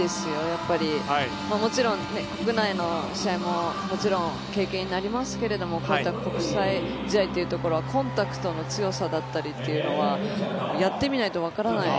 やっぱり国内の試合ももちろん経験になりますけどもこういった国際試合といったところはコンタクトの強さだったりっていうのはやってみないと分からない。